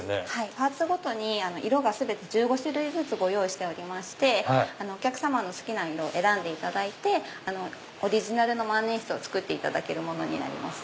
パーツごとに色が１５種類ずつご用意しておりましてお客様の好きな色を選んでいただいてオリジナルの万年筆を作っていただけます。